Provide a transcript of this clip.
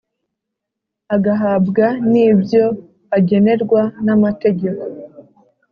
agahabwa n ibyo agenerwa n amategeko